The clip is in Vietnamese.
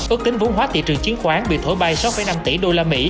ước tính vốn hóa thị trường chứng khoán bị thổi bay sáu năm tỷ usd